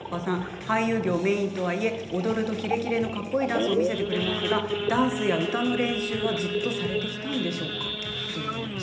俳優業がメインとはいえ踊るとキレキレでかっこいいダンスを見せてくれますがダンスや歌の練習はずっとされてきたんでしょうか。